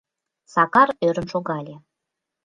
— Сакар ӧрын шогале.